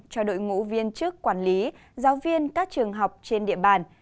cho đội ngũ viên chức quản lý giáo viên các trường học trên địa bàn